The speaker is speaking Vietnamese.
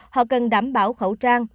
họ cần đảm bảo khẩu trang